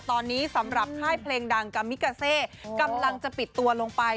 ตอนนี้สำหรับค่ายเพลงดังกัมมิกาเซกำลังจะปิดตัวลงไป